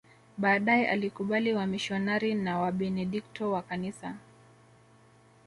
Baadae alikubali wamisionari na Wabenedikto wa kanisa